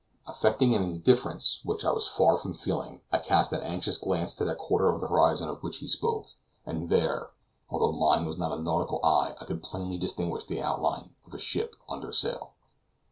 Affecting an indifference which I was far from feeling, I cast an anxious glance to that quarter of the horizon of which he spoke, and there, although mine was not a nautical eye, I could plainly distinguish the outline of a ship under sail.